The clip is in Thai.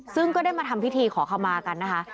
ซึ่งก็ได้มาทำพิธีขอขมากันนะคะ